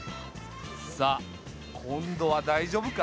さあ今度は大丈夫か？